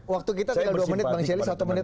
waktu kita tinggal dua menit bang celi satu menit